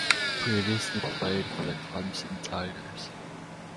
He previously played for the Clemson Tigers.